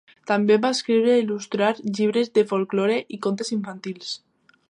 També va escriure i il·lustrar llibres de folklore i contes infantils.